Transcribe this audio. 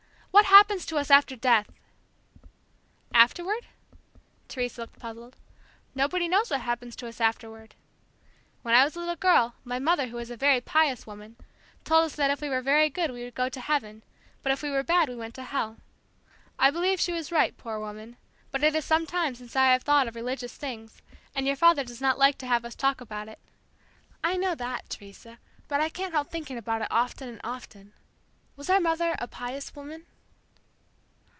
What happens to us after death?" "Afterward?" Teresa looked puzzled. "Nobody knows what happens to us afterward. When I was a little girl, my mother who was a very pious woman, told us that if we were very good we would go to heaven, but if we were bad we went to hell. I believe she was right, poor woman, but it is sometime since I have thought of religious things, and your father does not like to have us talk about it." "I know that, Teresa, but I can't help thinking about it often and often. Was our mother a 'pious woman?'"